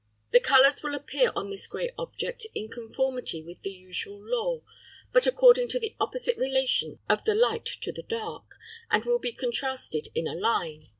The colours will appear on this grey object in conformity with the usual law, but according to the opposite relation of the light to the dark, and will be contrasted in a line.